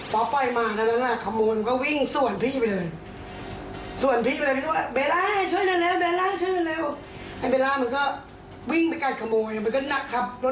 พอปล่อยมาแล้วนะค่ะขโมยมันก็วิ่งส่วนพี่ไปเลย